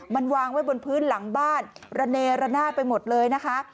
มันวางไว้บนพื้นหลังบ้านระเนระนาดไปหมดเลยนะคะ